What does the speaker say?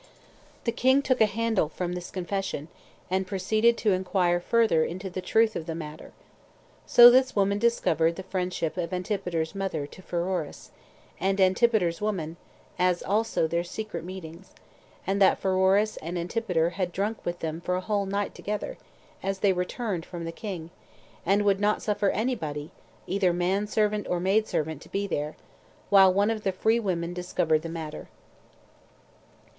The king took a handle from this confession, and proceeded to inquire further into the truth of the matter. So this woman discovered the friendship of Antipater's mother to Pheroras, and Antipater's women, as also their secret meetings, and that Pheroras and Antipater had drunk with them for a whole night together as they returned from the king, and would not suffer any body, either man servant or maidservant, to be there; while one of the free women discovered the matter.